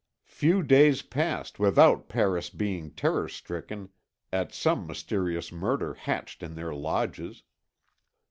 Few days passed without Paris being terror stricken at some mysterious murder hatched in their Lodges.